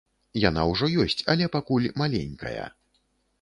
Яна ўжо ёсць, але пакуль маленькая.